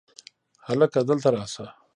هلکه! دلته راشه!